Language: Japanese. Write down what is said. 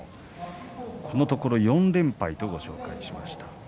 このところ４連敗とご紹介しました。